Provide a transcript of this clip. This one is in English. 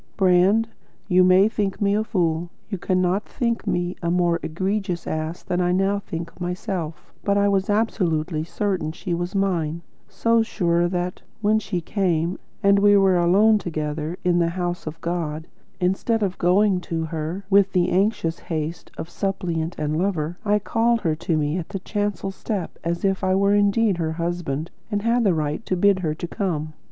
Brand, you may think me a fool; you cannot think me a more egregious ass than I now think myself; but I was absolutely certain she was mine; so sure that, when she came, and we were alone together in the house of God, instead of going to her with the anxious haste of suppliant and lover, I called her to me at the chancel step as if I were indeed her husband and had the right to bid her come.